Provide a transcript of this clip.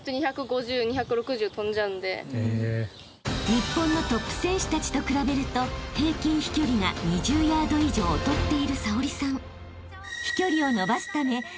［日本のトップ選手たちと比べると平均飛距離が２０ヤード以上劣っている早織さん］